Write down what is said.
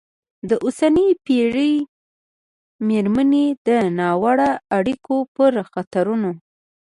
د اوسني پېر مېرمنې د ناوړه اړیکو پر خطرونو